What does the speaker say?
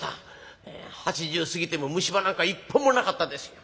８０過ぎても虫歯なんか１本もなかったですよ。